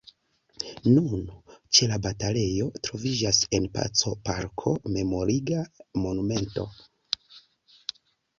Nun, ĉe la batalejo, troviĝas en paco-parko memoriga monumento.